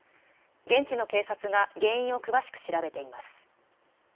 現地の警察が原因を詳しく調べています。